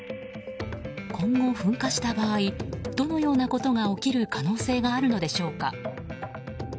今後噴火した場合どのようなことが起きる可能性があるのでしょうか。